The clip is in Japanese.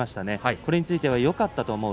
これについてはよかったと思う。